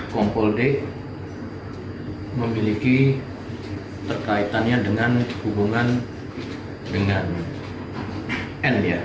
kompol d memiliki terkaitannya dengan hubungan dengan n ya